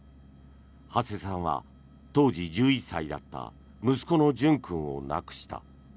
土師さんは当時１１歳だった息子の淳君を亡くした。